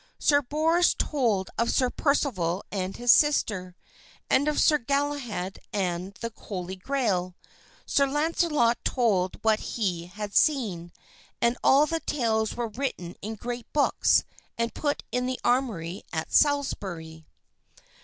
Sir Bors told of Sir Percival and his sister, and of Sir Galahad and the Holy Grail. Sir Launcelot told what he had seen; and all the tales were written in great books and put in the armory at Salisbury.